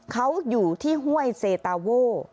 เขาอยู่ที่ห้วยเซตาโว่